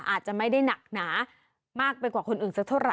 อาจจะไม่ได้หนักหนามากไปกว่าคนอื่นสักเท่าไห